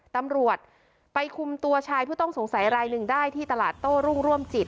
ตำรวจไปคุมตัวชายผู้ต้องสงสัยรายหนึ่งได้ที่ตลาดโต้รุ่งร่วมจิต